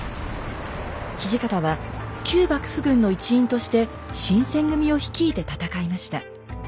土方は旧幕府軍の一員として新選組を率いて戦いました。